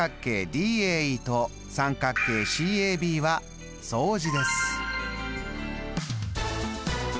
ＤＡＥと三角形ＣＡＢは相似です。